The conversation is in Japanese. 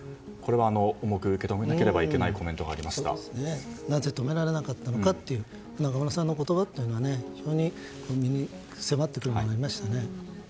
重く受け止めなければいけないなぜ止められなかったのかという中村さんの言葉というのは身に迫ってくるものがありましたね。